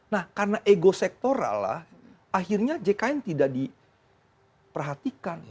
nah karena ego sektoral lah akhirnya jkn tidak diperhatikan